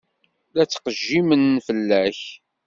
La ttqejjimen fell-ak.